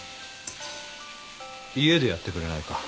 家でやってくれないか？